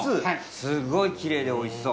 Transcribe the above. すごいきれいでおいしそう。